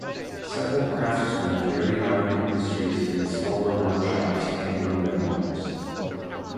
Several craftsmen carried on industries in smaller workshops and in their homes.